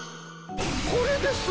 これです！